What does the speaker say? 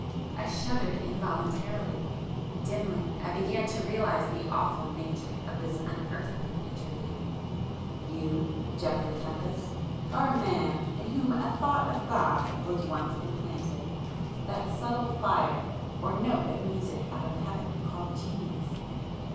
I shuddered involuntarily;—dimly I began to realize the awful nature of this unearthly interview. "You, Geoffrey Tempest, are a man in whom a Thought of God was once implanted,—that subtle fire or note of music out of heaven called Genius.